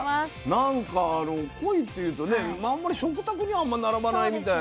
なんかコイっていうとねあんまり食卓には並ばないみたいな。